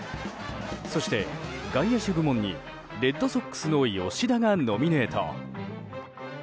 そして、外野手部門にレッドソックスの吉田がノミネート。